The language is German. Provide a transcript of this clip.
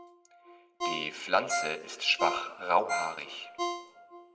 Die Pflanze ist schwach rauhaarig.